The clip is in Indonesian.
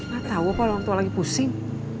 gak tahu apa orang tua lagi pusing